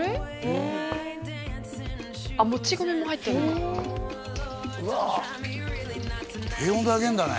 へえもち米も入ってるのか低温で揚げるんだね